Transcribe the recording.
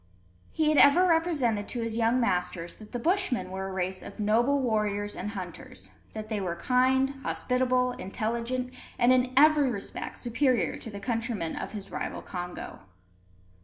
He had ever represented to his young masters that the Bushmen were a race of noble warriors and hunters, that they were kind, hospitable, intelligent, and in every respect superior to the countrymen of his rival Congo.